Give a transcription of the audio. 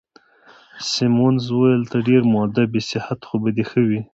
سیمونز وویل: ته ډېر مودب يې، صحت خو به دي ښه وي؟